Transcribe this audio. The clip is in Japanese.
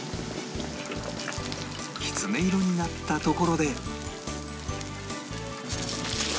きつね色になったところで